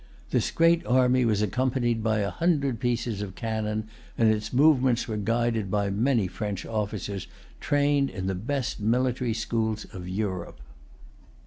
This great army was accompanied by a hundred pieces of cannon; and its movements were guided by many French officers, trained in the best military schools of Europe.